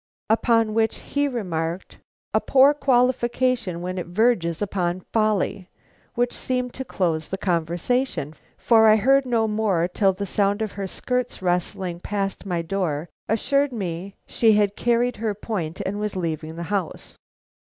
Upon which he remarked: 'A poor qualification when it verges upon folly!' which seemed to close the conversation, for I heard no more till the sound of her skirts rustling past my door assured me she had carried her point and was leaving the house.